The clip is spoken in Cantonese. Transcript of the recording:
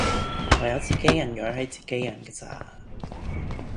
唯有自己人養起自己人架咋